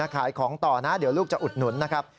ขายของต่อนะเดี๋ยวลูกจะอุดหนุนนะครับ